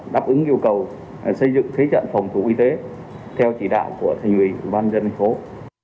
đáp ứng yêu cầu xây dựng thế trận phòng thủ y tế theo chỉ đạo của thành ủy ban dân thành phố